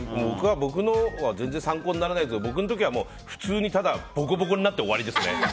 僕のは全然参考にならないというか僕の時は普通にただボコボコになって終わりですね。